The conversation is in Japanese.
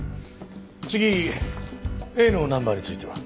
次Ａのナンバーについては？